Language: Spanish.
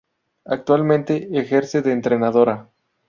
Actualmente ejerce de entrenadora.